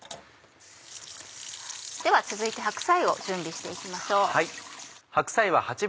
では続いて白菜を準備して行きましょう。